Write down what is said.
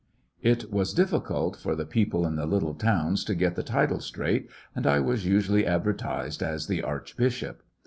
It was difficult for the people in the little The ''boss'* towns to get the title straight, and I was usu ^'^^^ ally advertised as the archbishop.